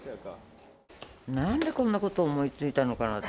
なんでこんなこと思いついたのかなと思って。